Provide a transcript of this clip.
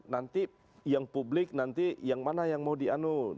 nanti yang publik nanti yang mana yang mau dianu